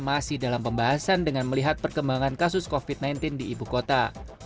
masih dalam pembahasan dengan melihat perkembangan kasus covid sembilan belas di ibu kota